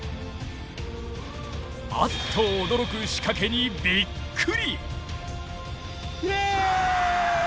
あっと驚く仕掛けにびっくり！